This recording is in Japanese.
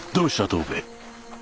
藤兵衛。